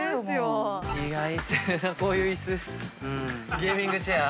ゲーミングチェア。